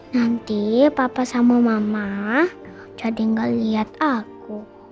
nanti papa sama mama jadi gak lihat aku